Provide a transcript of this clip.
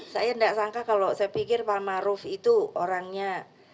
saya tidak sangka kalau saya pikir pak maruf itu orangnya